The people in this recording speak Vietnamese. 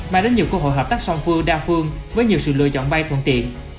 mang đến nhiều cơ hội hợp tác song phương đa phương với nhiều sự lựa chọn bay thuận tiện